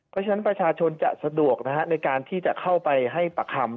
เพราะฉะนั้นประชาชนจะสะดวกในการที่จะเข้าไปให้ปากคำ